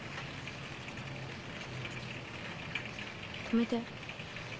止めて。